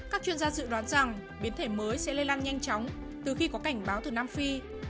các chuyên gia dự đoán rằng biến thể mới sẽ lây lan nhanh chóng từ khi có cảnh báo từ nam phi